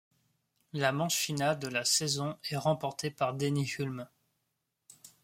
La manche finale de la saison est remportée par Denny Hulme.